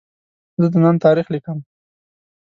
زه د نن تاریخ لیکم.